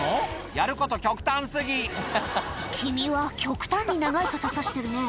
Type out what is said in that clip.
やること極端過ぎ君は極端に長い傘差してるね